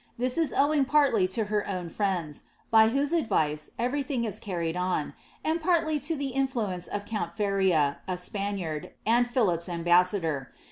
This is owing partly to her own friends, by whose advice ever^'ihing is carried on, and partly to the influence <k a S|>aniard, and Philip's ambassador.